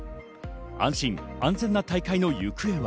安心安全な大会の行方は。